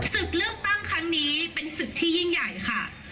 ศึกเลือกตั้งครั้งนี้เป็นศึกที่ยิ่งใหญ่ค่ะ